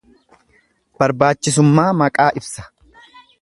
Barbaachisummaa maqaa ibsa.